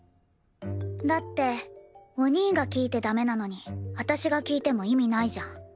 だってお兄が聞いてダメなのに私が聞いても意味ないじゃん。